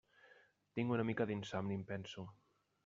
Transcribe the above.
Tinc una mica d'insomni, em penso.